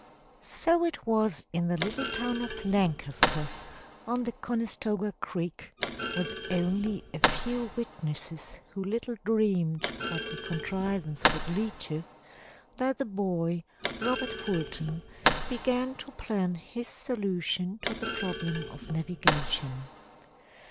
So it was in the little town of Lancaster on the Conestoga Creek, with only a few witnesses who little dreamed what the contrivance would lead to, that the boy, Robert Fulton, began to plan his solution to the problem of navigation.